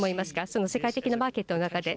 その世界的なマーケットの中で。